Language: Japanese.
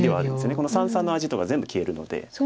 この三々の味とか全部消えるので。